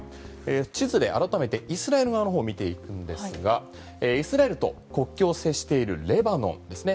地図で改めてイスラエル側のほうを見ていくんですがイスラエルと国境を接しているレバノンですね。